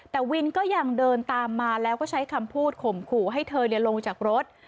แต่วินก็ยังเดินตามมาแล้วก็ใช้คำพูดข่มขู่ให้เธอลงจากรถ